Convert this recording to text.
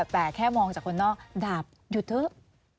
แต่แค่มองจากคนนอกดาบหยุดเถอะ